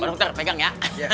ntar pegang ya